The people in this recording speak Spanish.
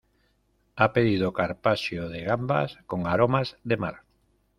Ha pedido carpaccio de gambas con aromas de mar.